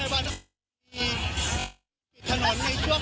แล้วก็ในวันนี้ถนนในช่วงเวลาฝีชุม